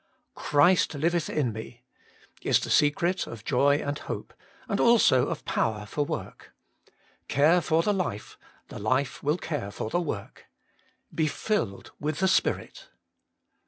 2. Christ liveth in me— is the secret of joy and hope, and also of power for work. Care for the life, the life will care for the work. * Be filled Vvith the Spirit.'